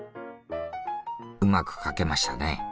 うまく書けましたね。